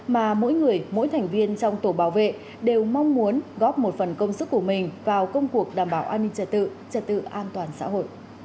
mà mỗi người mỗi thành viên trong tổ bảo vệ đều mong muốn góp một phần công sức của mình vào công cuộc đảm bảo an ninh trật tự trật tự an toàn xã hội